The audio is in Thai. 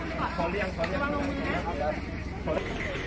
สวัสดีทุกคน